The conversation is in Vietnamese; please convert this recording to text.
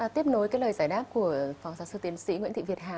tiếp nối cái lời giải đáp của phó giáo sư tiến sĩ nguyễn thị việt hà